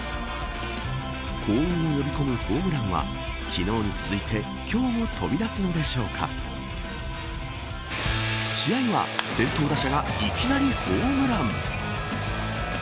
幸運を呼び込むホームランは昨日に続いて、今日も飛び出すのでしょうか試合は先頭打者がいきなりホームラン。